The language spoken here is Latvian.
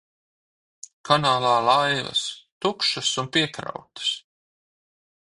Kanālā laivas - tukšas un piekrautas.